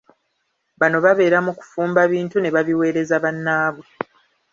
Bano babera mu kufumba bintu ne babiweereza bannabwe.